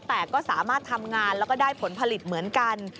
แต่ก็สามารถทำงานแล้วก็ได้ผลผลิตเหมือนกัน